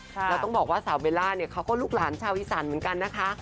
แล้วต้องบอกว่าสาวเบลล่าเนี่ยเขาก็ลูกหลานชาวอีสานเหมือนกันนะคะ